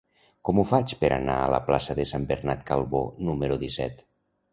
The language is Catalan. Com ho faig per anar a la plaça de Sant Bernat Calbó número disset?